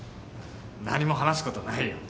何も話すことないよ。